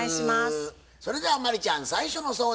それでは真理ちゃん最初の相談は？